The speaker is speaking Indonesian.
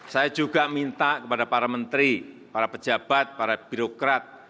saya juga minta kepada para menteri para pejabat para birokrat